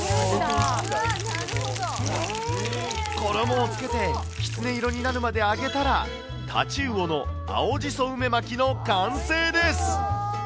衣をつけてきつね色になるまで揚げたら、タチウオの青じそ梅巻きの完成です。